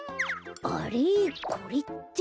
あれこれって？